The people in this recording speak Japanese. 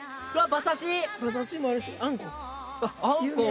馬刺しもあるしあんこう。